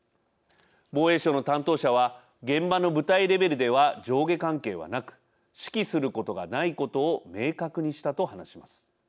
防衛省の担当者は現場の部隊レベルでは上下関係はなく指揮することがないことを明確にしたと話します。